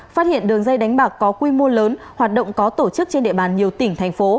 phát hiện đường dây đánh bạc có quy mô lớn hoạt động có tổ chức trên địa bàn nhiều tỉnh thành phố